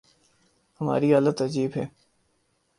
ہماری حالت عجیب ہے۔